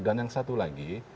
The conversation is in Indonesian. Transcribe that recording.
dan yang satu lagi